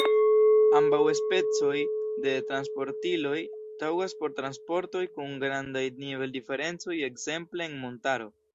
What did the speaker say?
Ambaŭ specoj de transportiloj taŭgas por transportoj kun grandaj nivel-diferencoj, ekzemple en montaro.